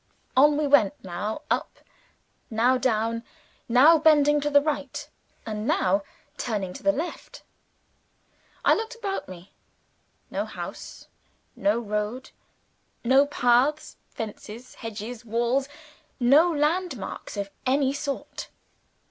On we went; now up, now down; now bending to the right, and now turning to the left. I looked about me. No house; no road; no paths, fences, hedges, walls; no land marks of any sort.